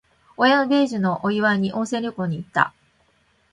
親の米寿のお祝いに、温泉旅行に行った。